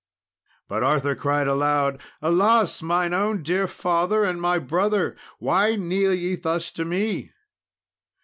] But Arthur cried aloud, "Alas! mine own dear father and my brother, why kneel ye thus to me?"